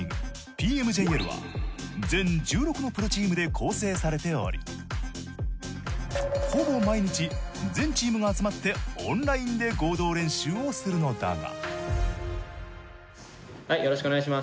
ＰＭＪＬは全１６のプロチームで構成されておりほぼ毎日全チームが集まってオンラインで合同練習をするのだが。